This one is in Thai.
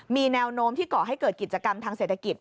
มีแนวโน้มที่ก่อให้เกิดกิจกรรมทางเศรษฐกิจ